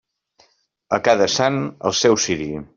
A cada sant, el seu ciri.